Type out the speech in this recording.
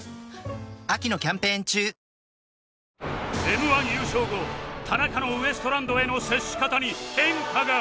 Ｍ−１ 優勝後田中のウエストランドへの接し方に変化が